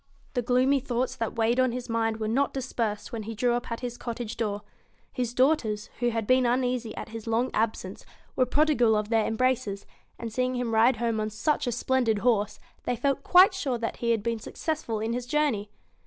The gloomy thoughts that weighed on his mind were not dispersed when he drew up at his cottage door. His daughters, who had been uneasy at his 85 * jf long absence, were prodigal of their embraces, and, BE/* "THE seeing him ride home on such a splendid horse, /BEAST t h ey felt quite sure that he had been success f u i i n his journey.